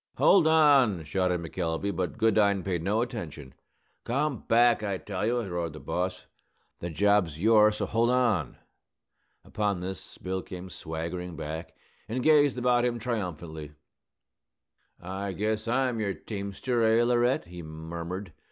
"Hold on!" shouted McElvey; but Goodine paid no attention. "Come back, I tell you!" roared the boss. "The job's yours, so hold on!" Upon this Bill came swaggering back, and gazed about him triumphantly. "I guess I'm your teamster, eh, Laurette?" he murmured.